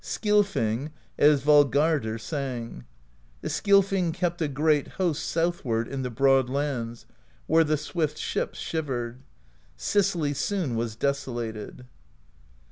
THE POESY OF SKALDS 233 Skilfing, as Valgardr sang: The Skilfing kept a great host Southward in the broad lands, Where the swift ships shivered: Sicily soon was desolated.